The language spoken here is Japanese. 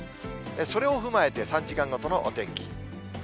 それを踏まえて、３時間ごとのお天気。